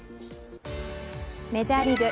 メジャーリーグ。